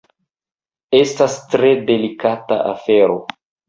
Estas tre delikata afero.